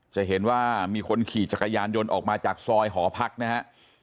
จะเห็นว่ามีคนขี่จักรยานยนต์ออกมาจากซอยหอพักนะฮะ